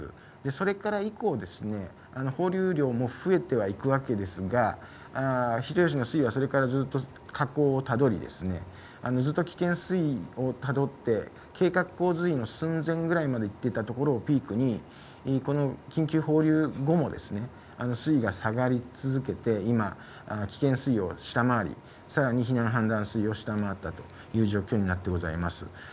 それから以降ですね、放流量も増えてはいくわけですが、人吉の水位はそれからずっと下降をたどり、ずっと危険水位をたどって計画洪水いの寸前までいっていたところをピークに、緊急放流後も水位が下がり続けて、今、危険水位を下回り、さらに避難判断水位を下回ったという状況でございます。